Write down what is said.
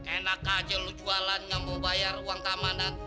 enak aja lo jualan nggak mau bayar uang keamanan